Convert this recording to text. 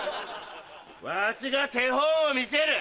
わしが手本を見せる！